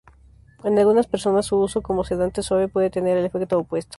En algunas personas su uso como sedante suave puede tener el efecto opuesto.